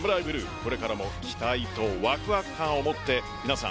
これからも期待とワクワク感を持って皆さん